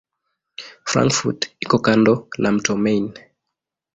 Frankfurt iko kando la mto Main.